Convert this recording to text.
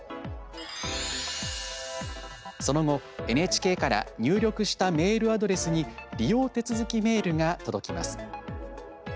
その後、ＮＨＫから入力したメールアドレスに利用手続きメールが届きます。